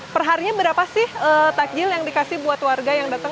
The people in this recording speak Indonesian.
perharinya berapa sih takjil yang dikasih buat warga yang datang